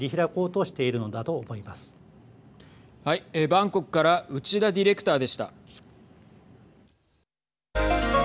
バンコクから内田ディレクターでした。